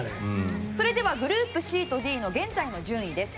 それではグループＣとＤの現在の順位です。